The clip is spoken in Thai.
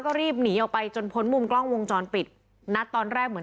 ก็รีบหนีออกไปจนพ้นมุมกล้องวงจรปิดนัดตอนแรกเหมือน